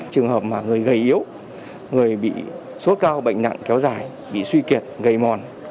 trường hợp mà người gầy yếu người bị sốt cao bệnh nặng kéo dài bị suy kiệt gầy mòn